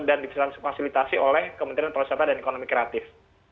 dan difasilitasi oleh kementerian pariwisata dan ekonomi kreatif